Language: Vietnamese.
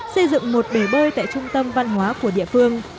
xây dựng một bể bơi tại trung tâm văn hóa của địa phương